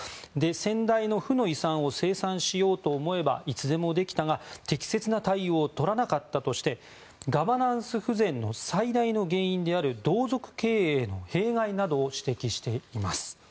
先代の負の遺産を清算しようと思えばいつでもできたが適切な対応をとらなかったとしてガバナンス不全の最大の原因である同族経営の弊害などを指摘しています。